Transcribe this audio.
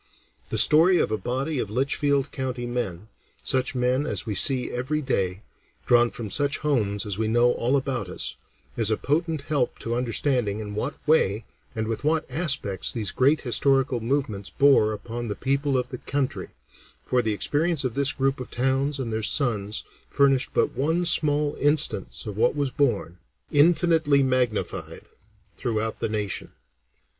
The story of a body of Litchfield County men, such men as we see every day, drawn from such homes as we know all about us, is a potent help to understanding in what way and with what aspects these great historical movements bore upon the people of the country, for the experience of this group of towns and their sons furnished but one small instance of what was borne, infinitely magnified, throughout the nation.